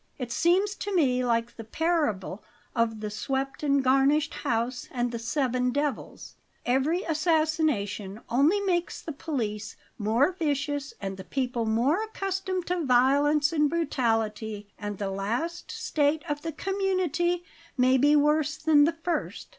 It seems to me like the parable of the swept and garnished house and the seven devils. Every assassination only makes the police more vicious and the people more accustomed to violence and brutality, and the last state of the community may be worse than the first."